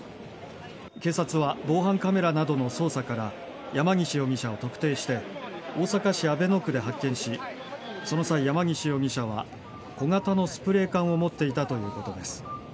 警察は防犯カメラなどの捜査から山岸容疑者を特定して大阪市阿倍野区で発見しその際、山岸容疑者は小型のスプレー缶を持っていたということです。